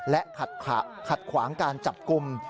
และขัดขวางการจับกลุ่ม